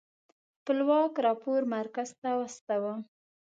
خپلواک راپور مرکز ته واستوه.